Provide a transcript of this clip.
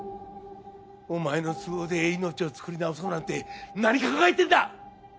お前の都合で命をつくり直そうなんて何考えてんだ‼